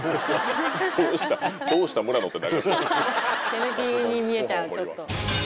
手抜きに見えちゃうちょっと。